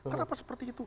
kenapa seperti itu